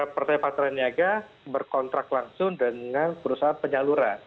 pertamina patraniaga berkontrak langsung dengan perusahaan penyaluran